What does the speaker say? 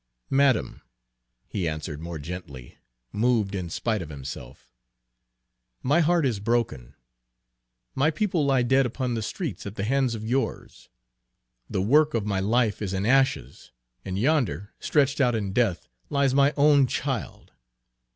"Madam," he answered more gently, moved in spite of himself, "my heart is broken. My people lie dead upon the streets, at the hands of yours. The work of my life is in ashes, and, yonder, stretched out in death, lies my own child!